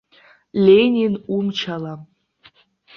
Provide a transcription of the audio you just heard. Ленин умчала.